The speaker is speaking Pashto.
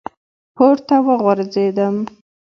پـورتـه وغورځـېدم ،